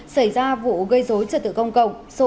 xảy ra vụ gây dối trật tự công cộng